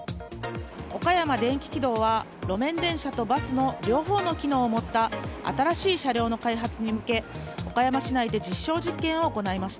岡山電気軌道は路面電車とバスの両方の機能を持った新しい車両の開発に向け岡山市内で実証実験を行いました。